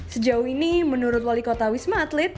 sejauh ini menurut wali kota wisma atlet